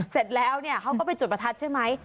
เสร็จแล้วเขาก็ไปจุดประทัดใช่มั้ย